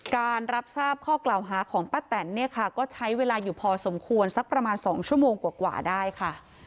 การรับทราบข้อกล่าวหาของป้าแตนเนี่ยค่ะก็ใช้เวลาอยู่พอสมควรสักประมาณ๒ชั่วโมงกว่าได้ค่ะ